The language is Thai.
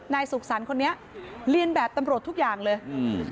นายสุขสรรค์คนนี้เรียนแบบตำรวจทุกอย่างเลยอืม